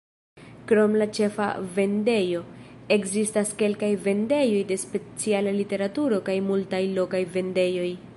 Krom la ĉefa vendejo, ekzistas kelkaj vendejoj de speciala literaturo kaj multaj lokaj vendejoj.